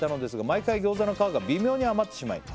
「毎回餃子の皮が微妙に余ってしまい」